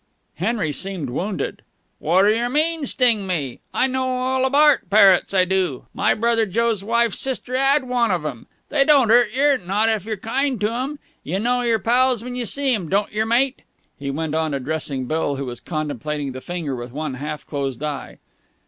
Henry seemed wounded. "Woddyer mean, sting me? I know all abart parrots, I do. My brother Joe's wife's sister 'ad one of 'em. They don't 'urt yer, not if you're kind to 'em. You know yer pals when you see 'em, don't yer, mate?" he went on, addressing Bill, who was contemplating the finger with one half closed eye.